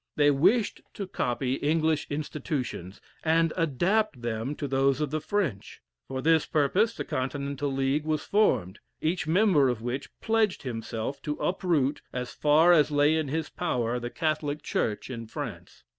They wished to copy English institutions, and adapt them to those of the French; for this purpose, the Continental League was formed, each member of which pledged himself to uproot, as far as lay in his power, the Catholic Church in France.